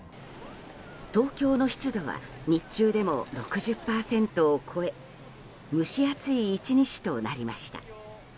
東京の湿度は日中でも６０％を超え蒸し暑い１日となりました。